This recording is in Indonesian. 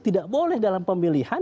tidak boleh dalam pemilihan